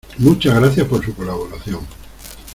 Muchas gracias por su colaboración.